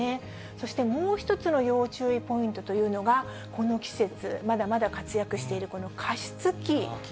そしてもう一つの要注意ポイントというのが、この季節、まだまだ活躍しているこの加湿器ですね。